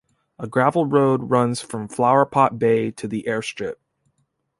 A gravel road runs from Flower Pot Bay to the air strip.